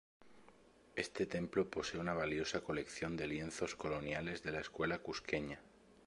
Este templo posee una valiosa colección de lienzos coloniales de la Escuela Cusqueña.